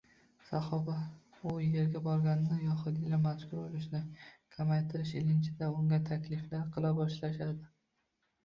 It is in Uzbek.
Sahoba u yerga borganida yahudiylar mazkur ulushni kamaytirish ilinjida unga takliflar qila boshlashadi